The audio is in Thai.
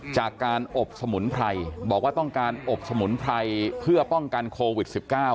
จากการอบสมุนไพรบอกว่าต้องการอบสมุนไพรเพื่อป้องกันโควิด๑๙